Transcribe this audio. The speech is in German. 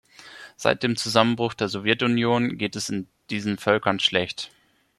Seit dem Zusammenbruch der Sowjetunion geht es diesen Völkern schlecht.